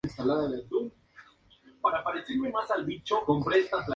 Siempre se pedía a los padres su consentimiento.